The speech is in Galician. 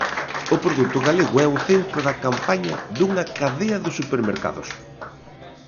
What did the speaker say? O produto galego é o centro da campaña dunha cadea de supermercados.